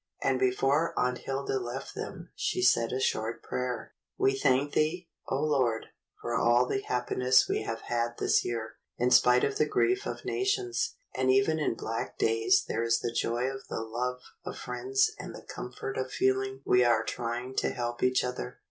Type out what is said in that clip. And before Aunt Hilda left them she said a short prayer: — "We thank Thee, O Lord, for all the happiness we have had this year, in spite of the grief of nations. And even in black days there is the joy of the love of friends and the comfort of feeling we are trying to help each other.